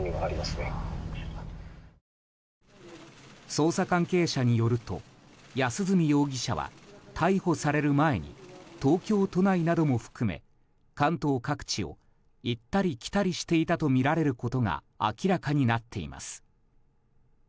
捜査関係者によると安栖容疑者は逮捕される前に東京都内なども含め関東各地を行ったり来たりしていたとみられることが明らかになっています。